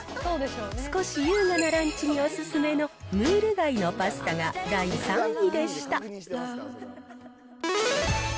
少し優雅なランチにお勧めのムール貝のパスタが、第３位でした。